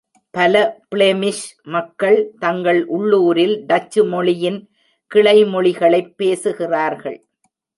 பல பிளெமிஷ் மக்கள் தங்கள் உள்ளூரில் டச்சு மொழியின் கிளைமொழிகளைப் பேசுகிறார்கள்.